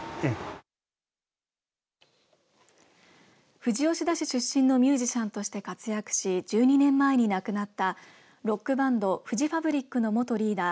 富士吉田市出身のミュージシャンとして活躍し１２年前に亡くなったロックバンド、フジファブリックの元リーダー